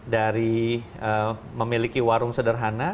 dari memiliki warung sederhana